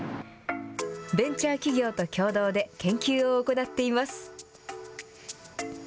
ベンチャー企業と共同で研究を行っています。